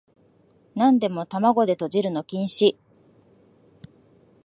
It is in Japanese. なんでも玉子でとじるの禁止